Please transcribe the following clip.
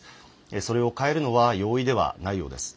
それを変えるのは容易ではないようです。